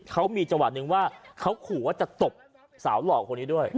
เขามีจวดนึงว่าเขาขอว่าจะตบสาวหลอกคนนี้ด้วย